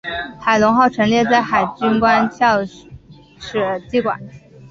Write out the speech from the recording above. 海龙号陈列在海军官校史绩馆。